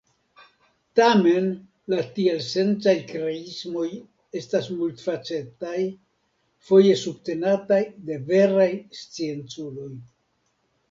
Tamen la tielsencaj kreismoj estas multfacetaj, foje subtenataj de veraj scienculoj.